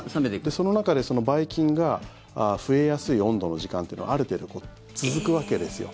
その中で、ばい菌が増えやすい温度の時間というのがある程度、続くわけですよ。